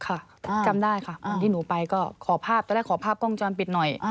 จำได้ค่ะวันที่หนูไปก็ขอภาพตอนแรกขอภาพกล้องวงจรปิดหน่อย